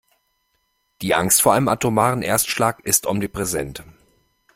Die Angst vor einem atomaren Erstschlag ist omnipräsent.